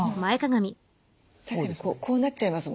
確かにこうなっちゃいます